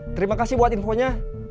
terima kasih buat infonya